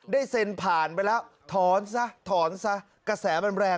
ได้เซ็นผ่านไปแล้วถอนซะ